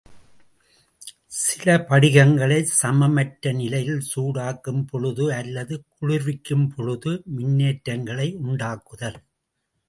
சில படிகங்களைச் சமமற்ற நிலையில் சூடாக்கும் பொழுது அல்லது குளிர்விக்கும்பொழுது மின்னேற்றங்களை உண்டாக்குதல்.